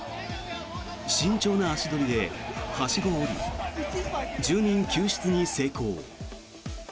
慎重な足取りではしごを下り住人救出に成功。